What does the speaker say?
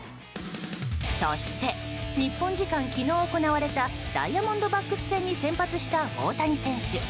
そして日本時間、昨日行われたダイヤモンドバックス戦に先発した大谷選手。